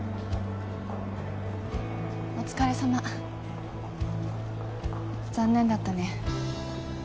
お疲れさま残念だったね